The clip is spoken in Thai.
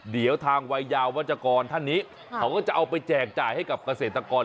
เดี๋ยวทางวัยยาวัชกรท่านนี้เขาก็จะเอาไปแจกจ่ายให้กับเกษตรกร